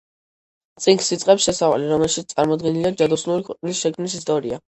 წიგნს იწყებს შესავალი, რომელშიც წარმოდგენილია ჯადოსნური ქვეყნის შექმნის ისტორია.